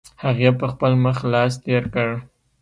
هغې په خپل مخ لاس تېر کړ.